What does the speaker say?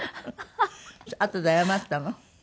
あとで謝ったの？